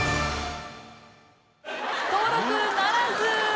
登録ならず！